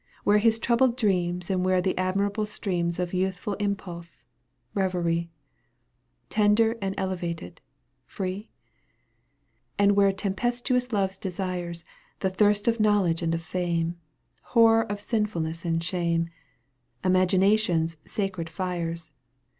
Where his troubled dreams, And where the admirable streams Of youthful impulse, reverie, Tender and elevated, free ? And where tempestuous love's desires, The thirst of knowledge and of fame, Horror of sinfulness and shame. Imagination's sacred fires.